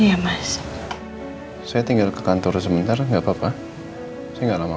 hai iya mas saya tinggal ke kantor sementara enggak papa saya enggak lama